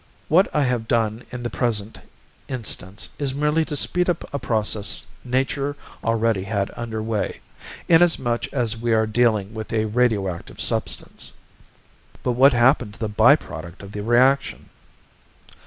What I have done in the present instance is merely to speed up a process nature already had under way, inasmuch as we are dealing with a radio active substance." "But what has happened to the by product of the reaction?"